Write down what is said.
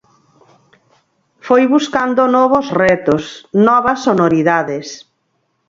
Foi buscando novos retos, novas sonoridades.